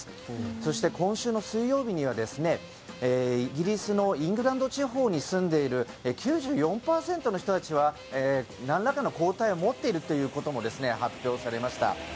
そして今週の水曜日にはイギリスのイングランド地方に住んでいる９４％の人たちはなんらかの抗体を持っているということも発表されました。